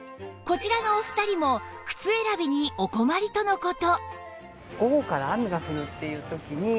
こちらのお二人も靴選びにお困りとの事